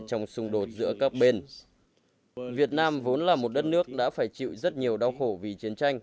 trong xung đột giữa các bên việt nam vốn là một đất nước đã phải chịu rất nhiều đau khổ vì chiến tranh